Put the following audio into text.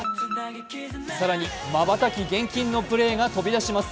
更に、まばたき厳禁のプレーが飛び出します。